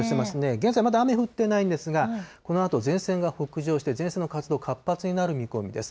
現在、まだ雨降ってないんですが、このあと前線が北上して、前線の活動、活発になる見込みです。